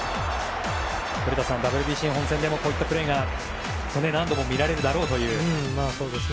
古田さん、ＷＢＣ本戦でもこういったプレーが何度も見られるだろうという。